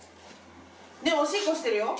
おしっこしてるよ。